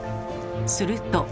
すると。